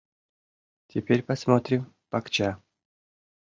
Теперь посмотрим пакча.